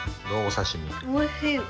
おいしい！